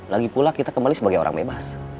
lagipula kita kembali sebagai orang bebas